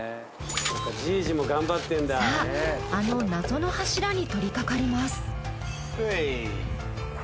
さぁあの謎の柱に取りかかります。